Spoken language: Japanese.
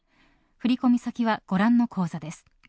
振込先はご覧の口座です。